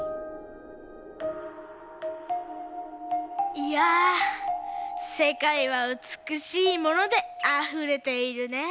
いやぁせかいは美しいものであふれているねぇ。